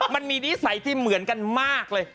นิสัยที่เหมือนกันมากเลย